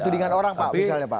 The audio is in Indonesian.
tudingan orang pak misalnya pak